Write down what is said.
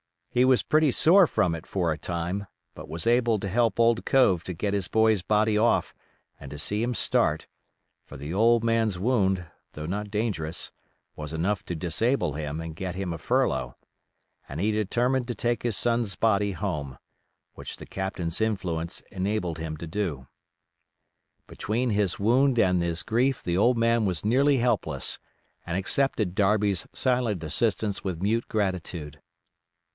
He was pretty sore from it for a time, but was able to help old Cove to get his boy's body off and to see him start; for the old man's wound, though not dangerous, was enough to disable him and get him a furlough, and he determined to take his son's body home, which the captain's influence enabled him to do. Between his wound and his grief the old man was nearly helpless, and accepted Darby's silent assistance with mute gratitude.